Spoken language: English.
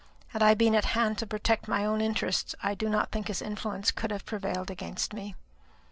Had I been at hand to protect my own interests, I do not think his influence could have prevailed against me."